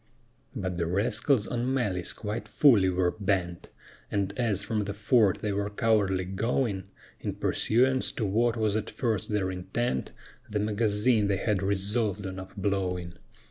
But the rascals on malice quite fully were bent: And as from the fort they were cowardly going, In pursuance to what was at first their intent, The magazine they had resolved on up blowing.